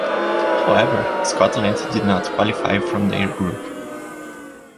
However, Scotland did not qualify from their group.